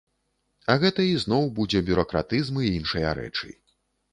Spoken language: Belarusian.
А гэта ізноў будзе бюракратызм і іншыя рэчы.